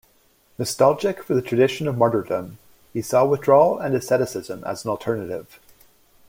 Nostalgic for the tradition of martyrdom, he saw withdrawal and asceticism as an alternative.